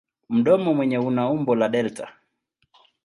Mdomo wenyewe una umbo la delta.